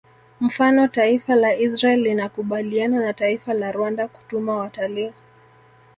Mfano taifa la Israel linakubaliana na taifa la Rwanda kutuma watalii